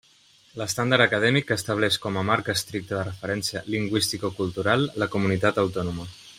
L'estàndard acadèmic estableix com a marc estricte de referència lingüisticocultural la comunitat autònoma.